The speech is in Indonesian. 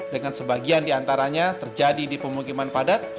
dengan sebagian diantaranya terjadi di pemukiman padat